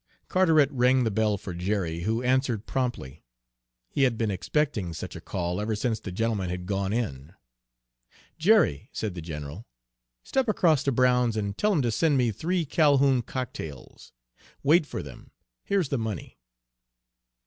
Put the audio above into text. Carteret rang the bell for Jerry, who answered promptly. He had been expecting such a call ever since the gentlemen had gone in. "Jerry," said the general, "step across to Brown's and tell him to send me three Calhoun cocktails. Wait for them, here's the money."